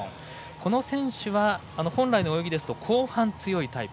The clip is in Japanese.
この選手は、本来の泳ぎだと後半、強いタイプ。